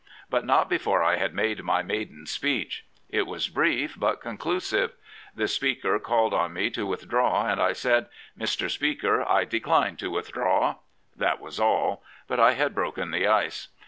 But not before I had made my maiden speech. It was brief, but conclu> sive. The Speaker called on me to withdraw, and I said, ' Mr. Speaker, I decline to withdraw.' That was all; but I had broken the ice."